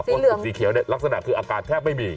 ศพสีเขียวเนี่ยลักษณะคืออาการแทบไม่มี